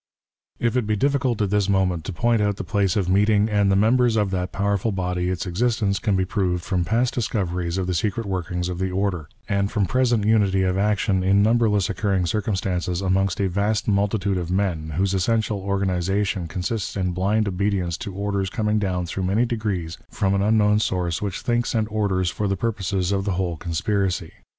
If it be difficult at this moment to point out the place of meeting and the members of that powerful body its existence can be proved from past discoveries of the secret workings of the Order, and from present unity of action in numberless occurring circumstances amongst a vast multitude of men, whose essential organization con sists in bUnd obedience to orders coming down through many degrees from an unknown source which thinks and orders for the purposes of the whole conspiracy.